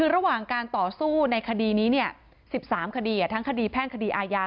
ระหว่างการต่อสู้ในคดีนี้๑๓คดีทั้งคดีแพ่งคดีอาญา